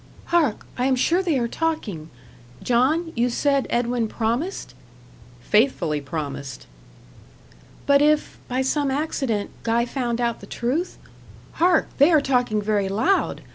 "Hark! I am sure they are talking. John, you said Edwin promised?" "Faithfully promised." "But if, by some accident, Guy found out the truth? Hark! they are talking very loud.